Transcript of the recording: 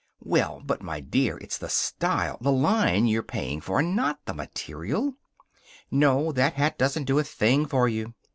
"... Well, but, my dear, it's the style the line you're paying for, not the material." "No, that hat doesn't do a thing for you."